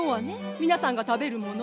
皆さんが食べるもの。